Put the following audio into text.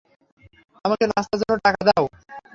আমাকে নাস্তার জন্য টাকা দাও।